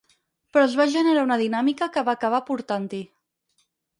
Però es va generar una dinàmica que va acabar portant-hi.